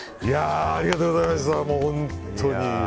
本当に。